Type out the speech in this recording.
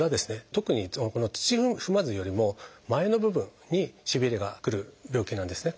特にこの土踏まずよりも前の部分にしびれがくる病気なんですね。